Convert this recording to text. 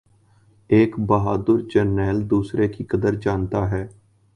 ایک بہادر جرنیل دوسرے کی قدر جانتا ہے